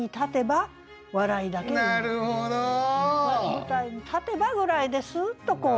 「舞台に立てば」ぐらいでスッとこう。